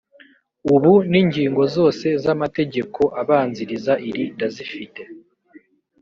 ubu n’ingingo zose z’amategeko abanziriza iri ndazifite